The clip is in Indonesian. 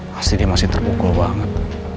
pasti dia masih terpukul banget